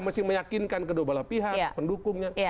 mesti meyakinkan kedua belah pihak pendukungnya